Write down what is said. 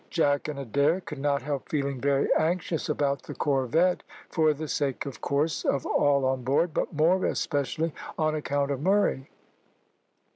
Jack and Adair could not help feeling very anxious about the corvette, for the sake, of course, of all on board, but more especially on account of Murray.